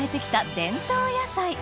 伝統野菜